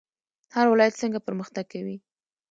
هر ولایت څنګه پرمختګ کوي؟